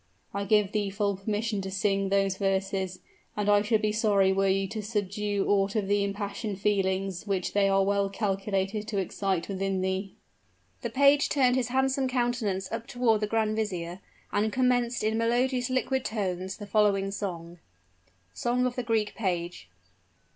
"I give thee full permission to sing those verses, and I should be sorry were you to subdue aught of the impassioned feelings which they are well calculated to excite within thee." The page turned his handsome countenance up toward the grand vizier, and commenced in melodious, liquid tones, the following song SONG OF THE GREEK PAGE.